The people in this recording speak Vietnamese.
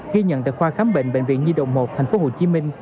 ghi nhận tại khoa khám bệnh bệnh viện nhi đồng một tp hcm